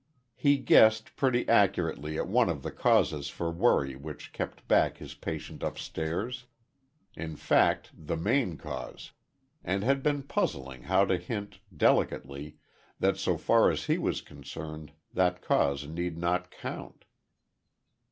He guessed pretty accurately at one of the causes for worry which kept back his patient upstairs in fact the main cause and had been puzzling how to hint, delicately, that so far as he was concerned, that cause need not count.